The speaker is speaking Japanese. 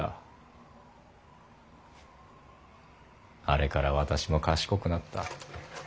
あれから私も賢くなった。